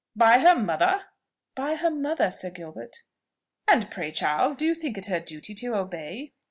"By her mother?" "By her mother, Sir Gilbert." "And pray, Charles, do you think it her duty to obey?"